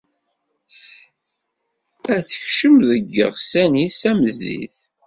Ad tekcem deg yiɣsan-is am zzit.